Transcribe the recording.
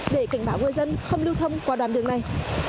để cảnh báo người dân không lưu thông qua đoạn đường này